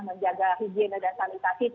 menjaga higiene dan sanitasi